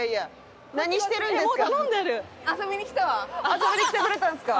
遊びに来てくれたんですか？